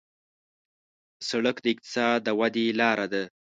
سړک د اقتصاد د ودې لاره ده.